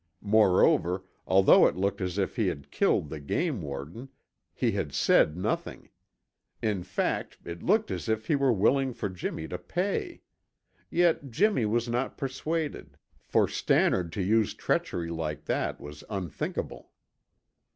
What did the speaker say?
Moreover, although it looked as if he had killed the game warden, he had said nothing. In fact, it looked as if he were willing for Jimmy to pay. Yet Jimmy was not persuaded; for Stannard to use treachery like that was unthinkable.